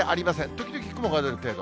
時々雲が出る程度。